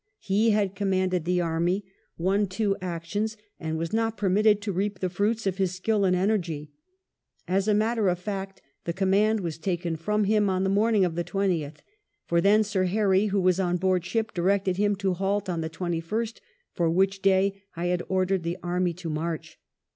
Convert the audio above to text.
He had commanded the army, won two actions, and was not permitted to reap the fruits of his skill and energy. As a matter of fact the command was taken from him on the morning of the 20th, for then Sir Harry, who was on board ship, directed him to halt on the 21st, "for which day I had ordered the army to march."